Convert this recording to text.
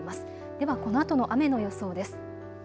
ではこのあとの雨の予想です。